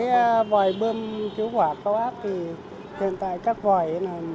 các vòi bơm cứu hỏa cao áp thì hiện tại các vòi